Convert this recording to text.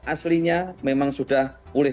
aslinya memang sudah pulih